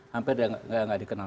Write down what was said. hampir tidak dikenal